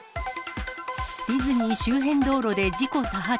ディズニー周辺道路で事故多発。